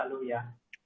sehat selalu dokter